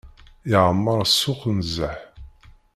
Yeɛmer ssuq nezzeh.